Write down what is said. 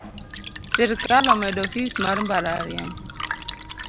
Sirkal omedo fees mar mbalariany.